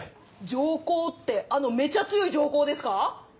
常高ってあのめちゃ強い常高ですか？